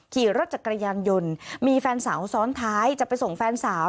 ขี่รถจักรยานยนต์มีแฟนสาวซ้อนท้ายจะไปส่งแฟนสาว